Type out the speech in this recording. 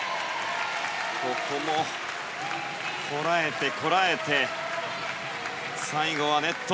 ここもこらえて、こらえて最後はネット。